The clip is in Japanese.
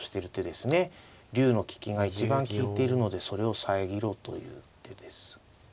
竜の利きが一番利いているのでそれを遮ろうという手です。